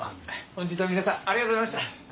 本日は皆さんありがとうございました。